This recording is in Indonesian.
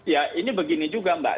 ya ini begini juga mbak